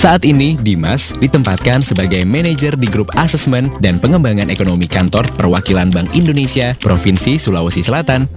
saat ini dimas ditempatkan sebagai manajer di grup assessment dan pengembangan ekonomi kantor perwakilan bank indonesia provinsi sulawesi selatan